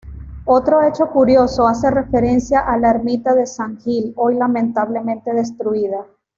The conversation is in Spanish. Otro hecho curioso hace referencia a la Ermita de San Gil, hoy lamentablemente destruida.